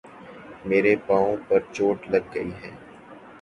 میرے پاؤں پر چوٹ لگ گئی ہے